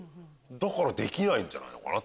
だからできないんじゃないのかな。